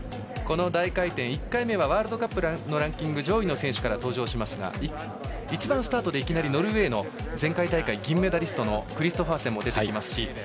この大回転１回目はワールドカップのランキング上位の選手から登場しますが１番スタートでいきなりノルウェーの前回大会銀メダリストクリストファーセンも出てきます。